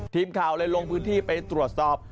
ทีมข่าวเลยลงพื้นที่ไปตรวจสอบ